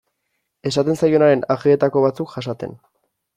Esaten zaionaren ajeetako batzuk jasaten.